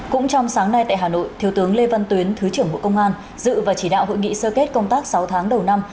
cũng trong sáng nay tại hà nội thiếu tướng lê văn tuyến thứ trưởng bộ công an dự và chỉ đạo hội nghị sơ kết công tác sáu tháng đầu năm